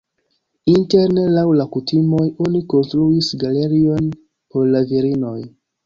Interne laŭ la kutimoj oni konstruis galerion por la virinoj.